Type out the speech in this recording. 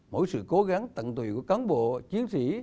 mỗi sự cố gắng tận tụy của cán bộ chiến sĩ